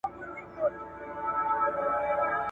ستا په خندا به مي د ژوند نوې خندا پيدا کړه